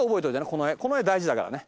この画大事だからね。